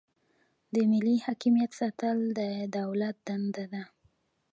د ملي حاکمیت ساتل د دولت دنده ده.